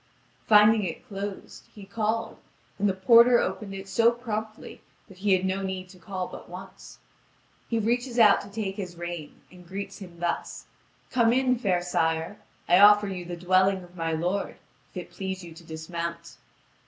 Finding it closed, he called, and the porter opened it so promptly that he had no need to call but once. He reaches out to take his rein, and greets him thus: "Come in, fair sire. I offer you the dwelling of my lord, if it please you to dismount."